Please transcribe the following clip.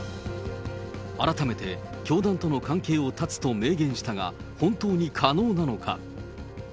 改めて教団との関係を断つと明言したが、本当に可能なのか。